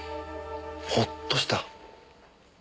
ほっとした？